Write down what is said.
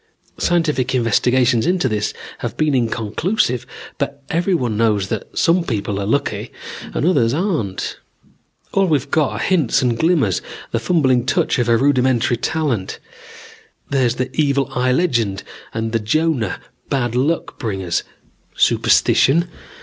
Scientific investigations into this have been inconclusive, but everyone knows that some people are lucky and others aren't. All we've got are hints and glimmers, the fumbling touch of a rudimentary talent. There's the evil eye legend and the Jonah, bad luck bringers. Superstition?